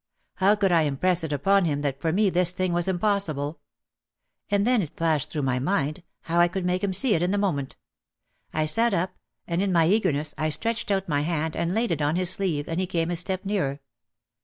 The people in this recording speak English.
How could I impress it upon him that for me this thing was impossible? And then it flashed through my mind how I could make him see it in a moment. I sat up and in my eagerness I stretched out my hand and laid it on his sleeve and he came a step nearer.